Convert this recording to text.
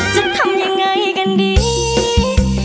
จะทำยังไงดีนะ